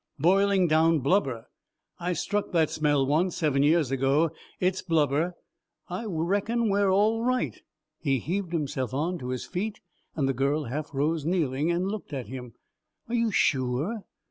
"Boiling down blubber. I struck that smell once, seven years ago; it's blubber. I reckon we're all right." He heaved himself on to his feet and the girl half rose, kneeling, and looked at him. "Are you sure?"